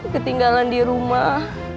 ketinggalan di rumah